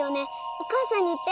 お母さんに言って。